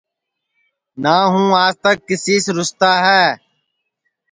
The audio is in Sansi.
نہ ہوں آج تک کیسی سے روساتا ہے